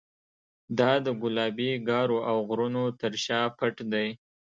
دا د ګلابي ګارو او غرونو تر شا پټ دی.